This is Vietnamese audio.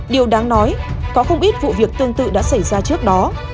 điều đáng nói có không ít vụ việc tương tự đã xảy ra trước đó